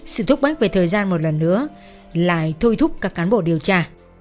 sự thúc bác về thời gian một lần nữa lại thôi thúc các cán bộ điều tra